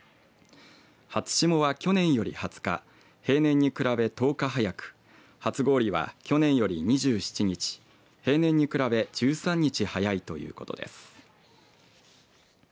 初霜は去年より２０日平年に比べ１０日早く初氷は去年より２７日平年に比べ１３日早いということです。